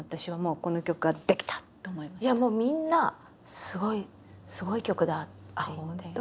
いやもうみんな「すごい！すごい曲だ」って。